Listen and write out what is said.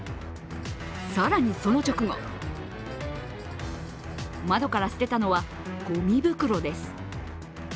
更にその直後窓から捨てたのはごみ袋です。